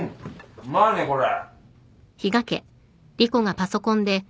うまいねこれ。